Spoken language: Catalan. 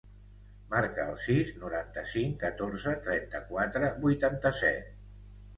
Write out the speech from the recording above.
Marca el sis, noranta-cinc, catorze, trenta-quatre, vuitanta-set.